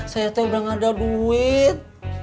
saya tuh udah gak ada duit